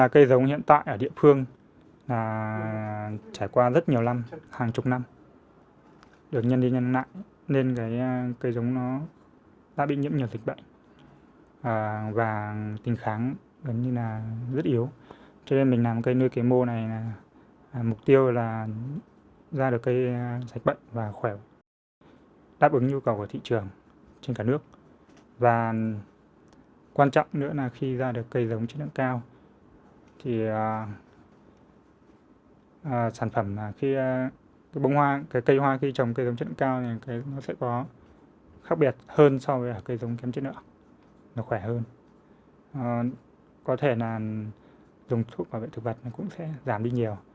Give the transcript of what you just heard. có thể là dùng thuốc bảo vệ thực vật cũng sẽ giảm đi nhiều và cái chăm sóc cũng giảm đi